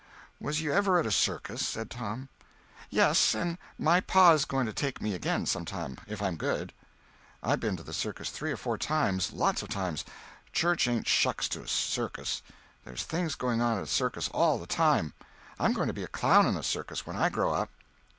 "Was you ever at a circus?" said Tom. "Yes, and my pa's going to take me again some time, if I'm good." "I been to the circus three or four times—lots of times. Church ain't shucks to a circus. There's things going on at a circus all the time. I'm going to be a clown in a circus when I grow up."